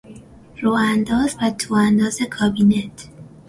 رو انداز و تو انداز کابینت